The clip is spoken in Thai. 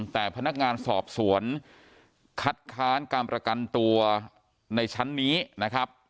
แต่พนักงานสอบสวนคัดค้านการประกันตัวในชั้นนี้นะครับ